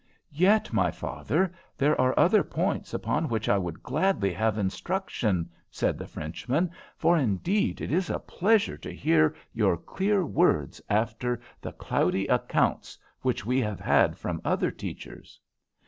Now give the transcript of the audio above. "Yet, my father, there are other points upon which I would gladly have instruction," said the Frenchman, "for, indeed, it is a pleasure to hear your clear words after the cloudy accounts which we have had from other teachers."